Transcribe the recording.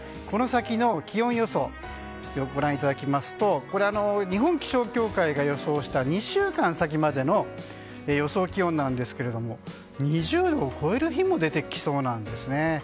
この先の気温予想をご覧いただきますと日本気象協会が予想した２週間先までの予想気温なんですが２０度を超える日も出てきそうなんです。